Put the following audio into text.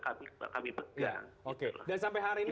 oke dan sampai hari ini